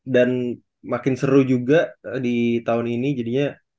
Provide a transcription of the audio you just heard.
dan makin seru juga di tahun ini jadinya